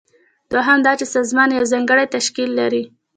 دوهم دا چې سازمان یو ځانګړی تشکیل لري.